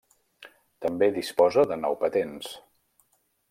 També disposa de nou patents.